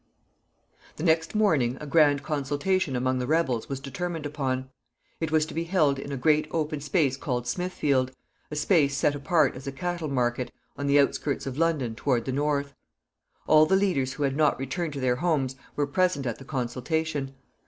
The next morning, a grand consultation among the rebels was determined upon. It was to be held in a great open space called Smithfield a space set apart as a cattle market, at the outskirts of London, toward the north. All the leaders who had not returned to their homes were present at the consultation.